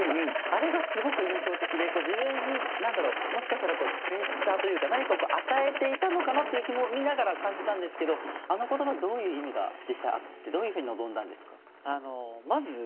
あれがすごく印象的で自分にプレッシャーを与えていたのかなという気も見ながら感じていたんですがあの言葉はどういう意味があってどういうふうに臨んだんですか。